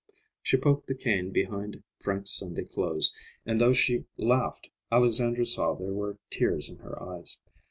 She poked the cane behind Frank's Sunday clothes, and though she laughed, Alexandra saw there were tears in her eyes.